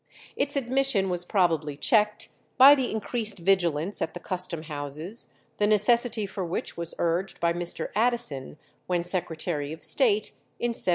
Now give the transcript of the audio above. Its admission was probably checked by the increased vigilance at the custom houses, the necessity for which was urged by Mr. Addison, when Secretary of State, in 1717.